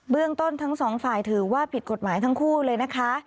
เรื่องต้นทั้งสองฝ่ายถือว่าผิดกฎหมายทั้งคู่เลยนะคะ